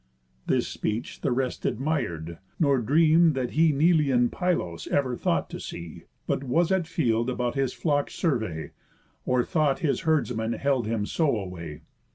This speech the rest admir'd, nor dream'd that he Neleïan Pylos ever thought to see, But was at field about his flocks' survey, Or thought his herdsmen held him so away.